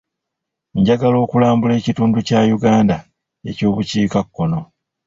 Njagala okulambuula ekitundu kya Uganda eky'obukiikakkono.